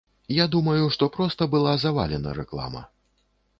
Я думаю, што проста была завалена рэклама.